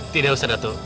tidak usah datu